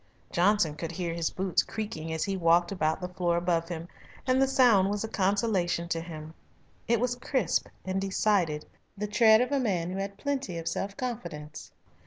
Johnson could hear his boots creaking as he walked about the floor above him, and the sound was a consolation to him. It was crisp and decided, the tread of a man who had plenty of self confidence.